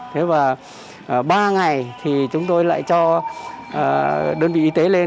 thế và ba ngày thì chúng tôi lại cho đơn vị y tế lên